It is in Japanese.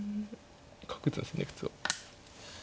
角打つんですよね普通。